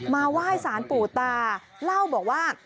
มาไหว้สารปู่ตาเล่าบอกว่า